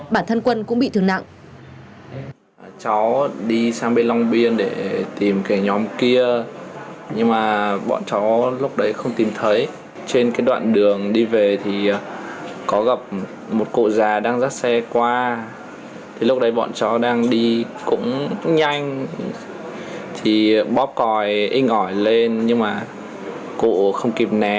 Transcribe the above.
bản thân quân cũng bị thương nặng